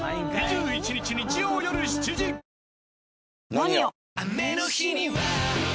「ＮＯＮＩＯ」！